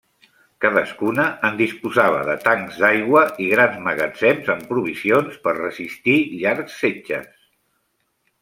Cadascuna en disposava de tancs d'aigua i grans magatzems amb provisions per resistir llargs setges.